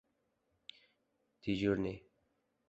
— Dejurniy!